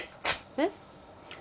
えっ？